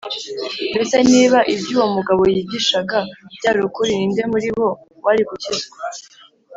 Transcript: mbese niba ibyo uwo mugabo yigishaga byari ukuri, ni nde muri bo wari gukizwa?